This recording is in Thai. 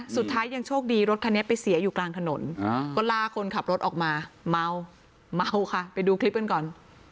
สุดท้ายยังโชคดีรถคันนี้ไปเสียอยู่กลางถนนก็ลาคนขับรถออกมาเมาเมาค่ะไปดูคลิปกันก่อน